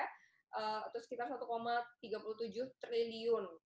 atau sekitar satu tiga puluh tujuh triliun